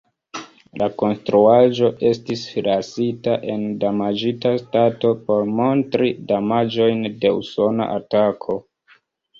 La konstruaĵo estis lasita en damaĝita stato, por montri damaĝojn de usona atako.